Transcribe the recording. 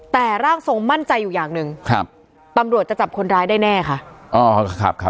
แต่ร่างทรงมั่นใจอยู่อย่างหนึ่งครับตำรวจจะจับคนร้ายได้แน่ค่ะ